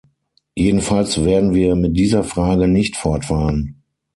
Jedenfalls werden wir mit dieser Frage nicht fortfahren.